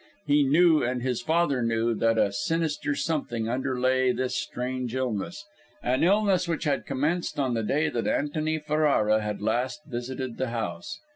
He knew, and his father knew, that a sinister something underlay this strange illness an illness which had commenced on the day that Antony Ferrara had last visited the house.